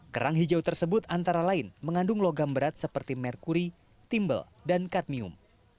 kerang hijau tersebut antara lain mengandung logam berat seperti merkuri timbel dan karmium